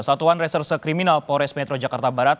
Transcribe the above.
satuan reserse kriminal pores metro jakarta barat